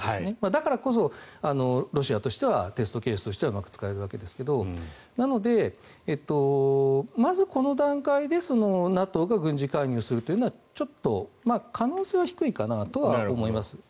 だからこそロシアとしてはテストケースとしてはうまく使えるわけですがなので、まずこの段階でＮＡＴＯが軍事介入するというのはちょっと可能性は低いかなとは思いますね。